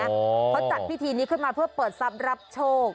เขาจัดพิธีนี้ขึ้นมาเพื่อเปิดทรัพย์รับโชค